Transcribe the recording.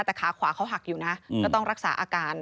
แต่ขาขวาเขาหักอยู่นะก็ต้องรักษาอาการ